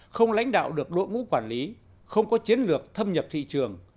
không lãnh đạo được đội ngũ quản lý không có chiến lược thâm nhập thị trường